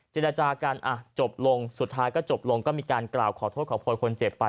เจรจากันจบลงสุดท้ายก็จบลงก็มีการกล่าวขอโทษขอโพยคนเจ็บไป